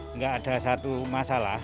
enggak ada satu masalah